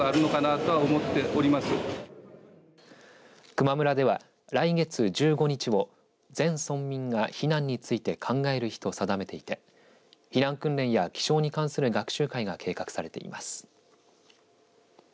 球磨村では来月１５日を全村民が避難について考える日と定めていて避難訓練や気象に関する学習会が計画されています。